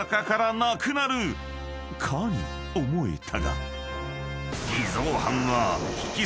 ［かに思えたが］